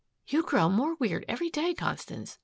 "You grow more weird, every day, Constance.